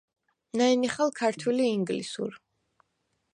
ნა̈ჲ ნიხალ ქართვილ ი ინგლისურ.